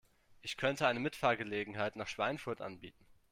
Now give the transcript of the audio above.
Ich könnte eine Mitfahrgelegenheit nach Schweinfurt anbieten